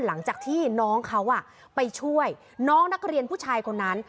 หลังจากที่น้องเขาไปช่วยน้องนักเรียนผู้ชายคนนั้น